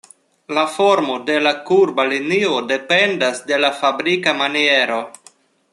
La formo de la kurba linio dependas de la fabrika maniero.